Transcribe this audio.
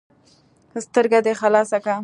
ـ سترګه دې خلاصه که.